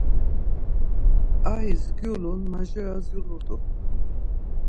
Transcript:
Aris gyulun majuras yulut̆u.